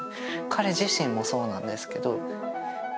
彼自身もそうなんですけど。